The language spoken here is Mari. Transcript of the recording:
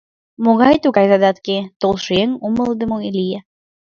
— Могай-тугай задатке? — толшо еҥ умылыдымо лие.